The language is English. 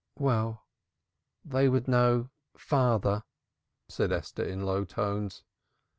"Well, they would know father," said Esther in low tones.